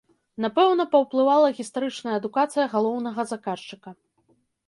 Напэўна, паўплывала гістарычная адукацыя галоўнага заказчыка.